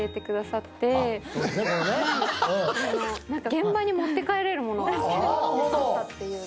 現場に持って帰れるものがあったっていうのは。